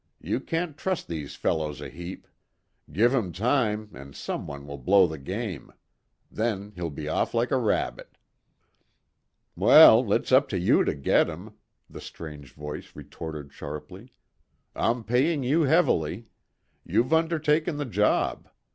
You can't trust these fellows a heap. Give 'em time, and some one will blow the game. Then he'll be off like a rabbit." "Well, it's up to you to get him," the strange voice retorted sharply. "I'm paying you heavily. You've undertaken the job.